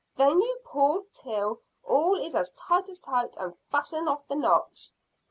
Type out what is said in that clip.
Then you pull till all is as tight as tight, and fasten off the knots."